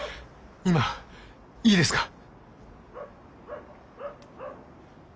今いいですか？